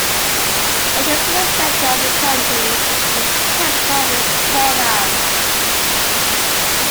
It is in the centre of the country, and its capital is Kaunas.